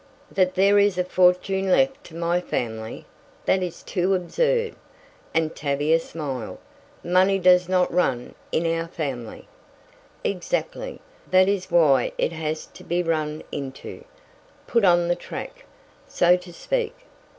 "That there is a fortune left to my family? That is too absurd," and Tavia smiled. "Money does not run in our family." "Exactly. That is why it has to be run into it put on the track, so to speak.